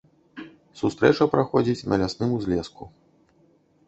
Сустрэча праходзіць на лясным узлеску.